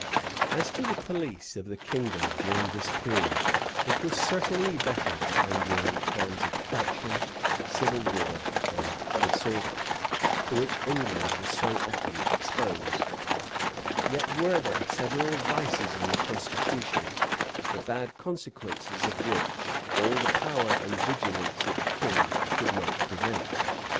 As to the police of the kingdom during this period, it was certainly better than during times of faction, civil war, and disorder, to which England was so often exposed: yet were there several vices in the constitution, the bad consequences of which all the power and vigilance of the king could not prevent.